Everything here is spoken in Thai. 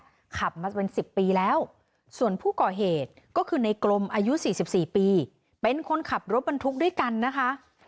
ขับมาเป็น๑๐ปีแล้วส่วนผู้ก่อเหตุก็คือในกรมอายุ๔๔ปีเป็นคนขับรถบรรทุกด้วยกันนะคะ